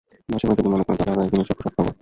মাসিমা যদি মনে রাখেন তবে আর-এক দিন এসে প্রসাদ খাব।